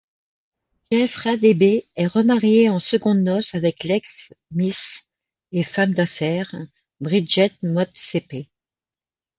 Jeff Radebe est remarié en secondes noces avec l’ex-miss et femme d’affaires Bridgette Motsepe.